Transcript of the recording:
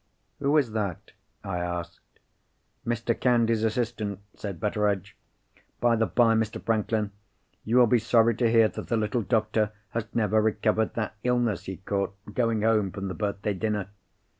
"Who is that?" I asked. "Mr. Candy's assistant," said Betteredge. "By the bye, Mr. Franklin, you will be sorry to hear that the little doctor has never recovered that illness he caught, going home from the birthday dinner.